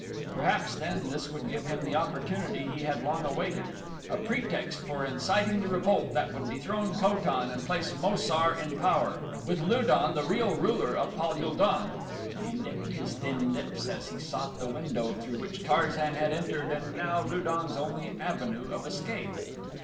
Perhaps, then, this would give him the opportunity he had long awaited a pretext for inciting the revolt that would dethrone Ko tan and place Mo sar in power with Lu don the real ruler of Pal ul don. He licked his thin lips as he sought the window through which Tarzan had entered and now Lu don's only avenue of escape.